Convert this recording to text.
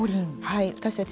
私たち